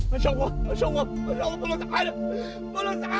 masya allah masya allah masya allah bulus hana